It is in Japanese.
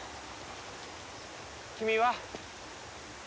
君は？